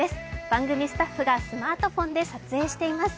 番組スタッフがスマートフォンで撮影しています。